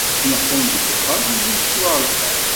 Neqqim deg uxxam imi yettwaɣ lḥal.